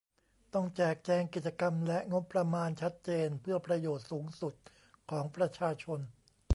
ต้องแจกแจงกิจกรรมและงบประมาณชัดเจนเพื่อประโยชน์สูงสุดของประชาชน